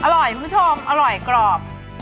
อร่อยคุณผู้ชมอร่อยกรอบ